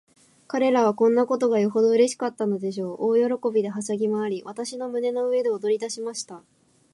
彼等はこんなことがよほどうれしかったのでしょう。大喜びで、はしゃぎまわり、私の胸の上で踊りだしました。